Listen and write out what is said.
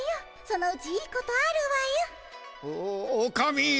そのうちいいことあるわよ。おおおかみ。